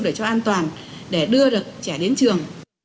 để cho an toàn để đưa được trẻ đến trường